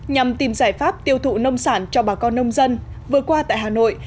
nhằm tìm giải pháp tiêu thụ nông sản cho bà con nông dân vừa qua tại hà nội